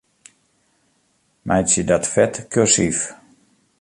Meitsje dat fet kursyf.